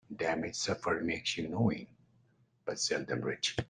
Damage suffered makes you knowing, but seldom rich.